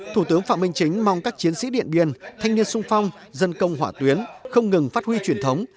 thủ tướng phạm minh chính mong các chiến sĩ điện biên thanh niên sung phong dân công hỏa tuyến không ngừng phát huy truyền thống